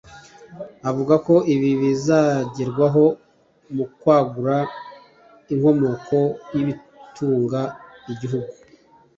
Avuga ko ibi bizagerwaho mu kwagura inkomoko y’ibitunga igihugu